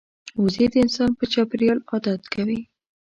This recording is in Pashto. وزې د انسان په چاپېریال عادت کوي